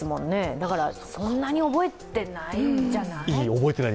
だから、そんなに覚えていないんじゃない？